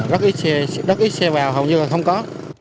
rất ít xe vào hầu như là không có